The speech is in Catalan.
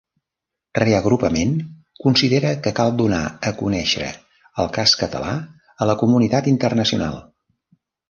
Reagrupament considera que cal donar a conèixer el cas català a la comunitat internacional.